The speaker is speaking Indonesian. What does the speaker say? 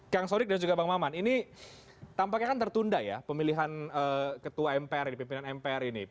kang sodik dan juga bang maman ini tampaknya kan tertunda ya pemilihan ketua mpr di pimpinan mpr ini